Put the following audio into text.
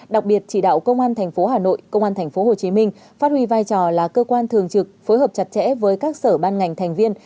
đặc biệt chỉ đạo công an tp hcm phát huy vai trò là cơ quan thường trực phối hợp chặt chẽ với các sở ban ngành thành viên